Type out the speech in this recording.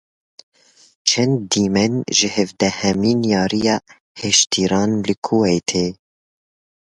Çend dîmen ji hevdehemîn Yariya Hêştiran li Kuweytê.